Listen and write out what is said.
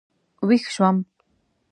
وېښ شوم.